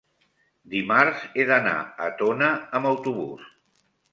dimarts he d'anar a Tona amb autobús.